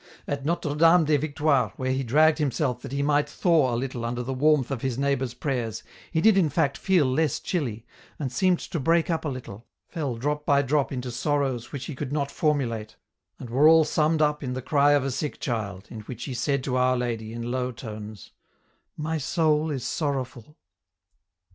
At Notre Dame des Victoires, where he dragged him self that he might thaw a little under the warmth of his neighbours' prayers, he did in fact feel less chilly, and seemed to break up a little, fell drop by drop into sorrows which he could not formulate, and were all summed up in the cry of a sick child, in which he said to Our Lady, in low tones :" My soul is sorrowful."